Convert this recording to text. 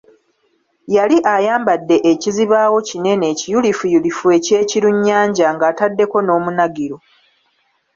Yali ayambadde ekizibaawo kinene ekiyulifuyulifu eky'ekirunnyanja ng'ataddeko n'omunagiro.